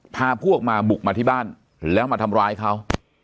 พาพวกมาบุกมาที่บ้านแล้วมาทำร้ายเขา